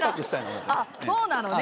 あっそうなのね。